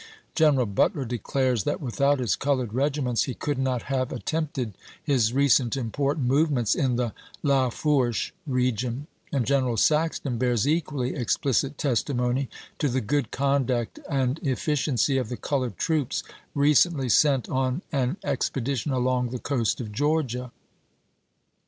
General Butler declares that without his colored regiments he could not have at tempted his recent important movements in the Lafourche region ; and G eneral Saxton bears equally exphcit testi mony to the good conduct and efficiency of the colored troops recently sent on an expedition along the coast of Georgia.